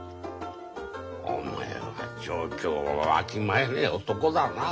おめえは状況をわきまえねえ男だな。